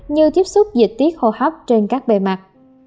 như tiếp xúc dịch tiết hô hấp trên các bề mặt